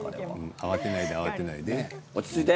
慌てないで慌てないで。